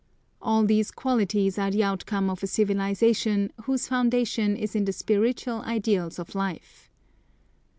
All these qualities are the outcome of a civilisation, whose foundation is in the spiritual ideals of life.